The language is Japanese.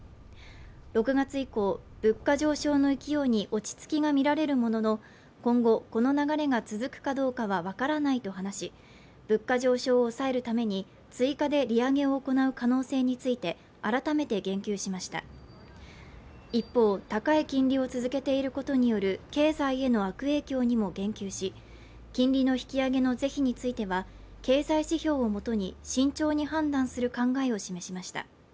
６月以降物価上昇の勢いに落ち着きが見られるものの今後この流れが続くかどうかは分からないと話し物価上昇を抑えるために追加で利上げを行う可能性について改めて言及しました一方高い金利を続けていることによる経済への悪影響にも言及し金利の引き上げの是非については経済指標をもとに慎重に判断する考えを示しました